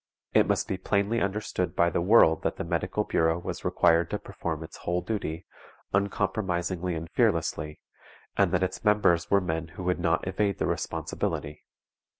It must be plainly understood by the world that the Medical Bureau was required to perform its whole duty, uncompromisingly and fearlessly; and that its members were men who would not evade the responsibility.